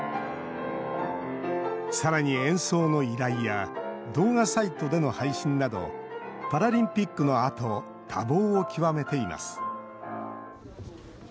さらに、演奏の依頼や動画サイトでの配信などパラリンピックのあと多忙を極めています。